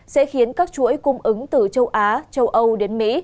sẽ khiến các chuỗi cung ứng từ châu á châu âu đến mỹ